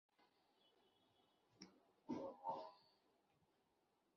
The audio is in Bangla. এরপর একই দায়িত্ব নিয়ে ল্যাঙ্কাশায়ারে অবস্থান করেন তিনি।